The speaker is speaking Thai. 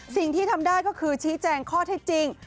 สิ่งที่ทำได้ก็คือชี้แจงข้อเท็จจริง